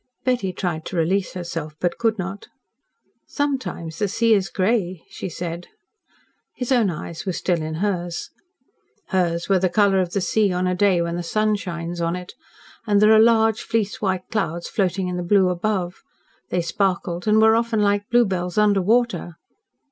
Betty tried to release herself, but could not. "Sometimes the sea is grey," she said. His own eyes were still in hers. "Hers were the colour of the sea on a day when the sun shines on it, and there are large fleece white clouds floating in the blue above. They sparkled and were often like bluebells under water."